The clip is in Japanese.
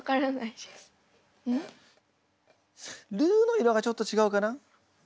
ルーの色がちょっと違うかな？